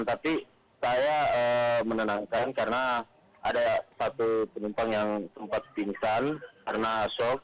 tapi saya menenangkan karena ada satu penumpang yang sempat pingsan karena shock